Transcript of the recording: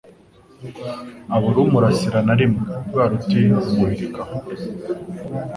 Abura umurasira na rimwe Rwa ruti rumuhirika aho